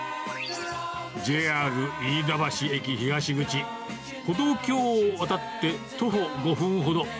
ＪＲ飯田橋駅東口、歩道橋を渡って徒歩５分ほど。